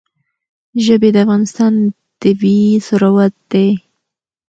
ژبې د افغانستان طبعي ثروت دی.